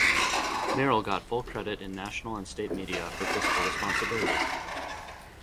Merrill got full credit in national and state media for fiscal responsibility.